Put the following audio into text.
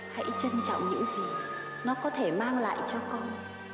hãy trân trọng những gì nó có thể mang lại cho con